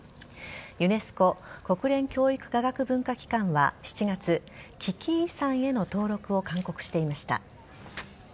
ユネスコ＝国連教育科学文化機関は７月危機遺産への登録を勧告していました。